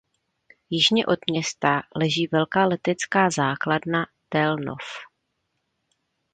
Jižně od města leží velká letecká základna Tel Nof.